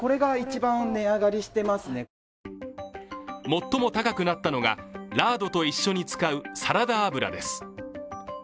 最も高くなったのがラードと一緒に使うサラダ油です。